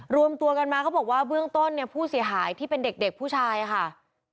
รวมตัวกันมาเขาบอกว่าเบื้องต้นเนี่ยผู้เสียหายที่เป็นเด็กผู้ชายค่ะ